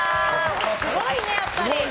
すごいね、やっぱり。